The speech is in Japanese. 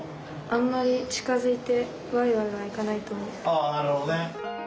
ああなるほどね。